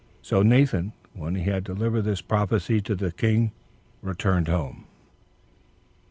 So Nathan, when he had delivered this prophecy to the king, returned home. 4.